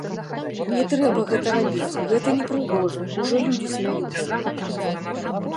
Не трэба гэта рабіць, гэта непрыгожа, ужо людзі смяюцца.